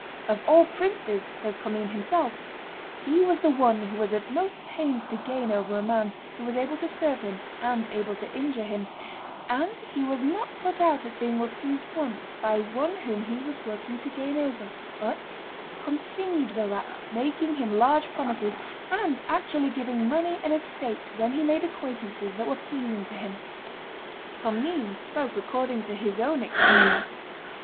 "Of all princes," says Commynes himself, "he was the one who was at most pains to gain over a man who was able to serve him, and able to injure him; and he was not put out at being refused once by one whom he was working to gain over, but continued thereat, making him large promises, and actually giving money and estate when he made acquaintances that were pleasing to him." Commynes spoke according to his own experience.